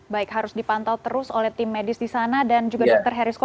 baik harus dipantau terus oleh tim medis di sana dan juga dr herisko